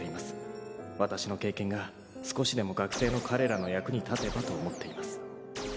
「わたしの経験が少しでも学生の彼らの役に立てばと思っています」